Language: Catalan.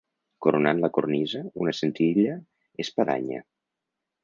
Coronant la cornisa, una senzilla espadanya.